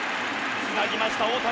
つなぎました大谷。